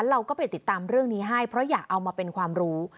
เราก็ไปติดตามเรื่องนี้ให้เพราะอยากเอามาเป็นความรู้